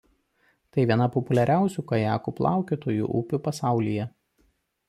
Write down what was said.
Tai viena populiariausių kajakų plaukiotojų upių pasaulyje.